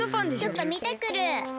ちょっとみてくる。